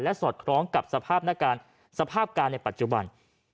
สอดคล้องกับสภาพการณ์ในปัจจุบัน